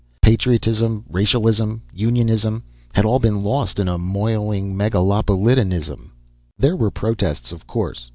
Patriotism, racialism, unionism, had all been lost in a moiling megalopolitanism. There were protests, of course.